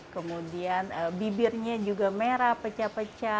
kemudian bibirnya juga merah pecah pecah